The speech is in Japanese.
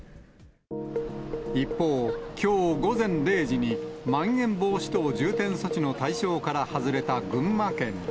一方、きょう午前０時に、まん延防止等重点措置の対象から外れた群馬県。